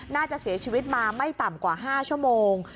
น่าจะเสียชีวิตมาไม่ต่ำกว่า๕ชั่วโมง